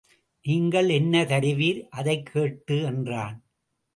நீங்கள் என்ன தருவீர் அதைக்கேட்டு என்றான்.